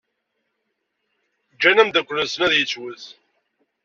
Ǧǧan ameddakel-nsen ad yettwet.